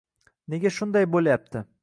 Nega shunday bo`lyapti